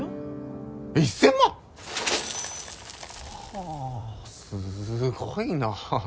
はあすごいな。